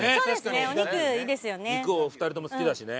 肉お二人とも好きだしね。